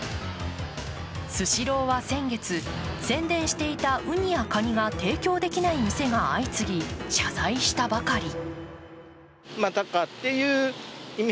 スシローは先月、宣伝していたウニやかにが提供できない店が相次ぎ謝罪したばかり。